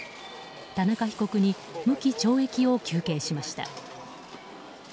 田中被告に無期懲役を求刑しました。